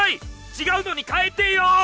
違うのに変えてよ！